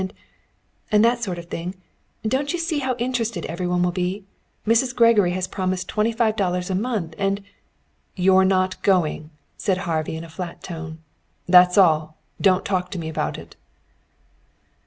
And and that sort of thing don't you see how interested every one will be? Mrs. Gregory has promised twenty five dollars a month, and " "You're not going," said Harvey in a flat tone. "That's all. Don't talk to me about it."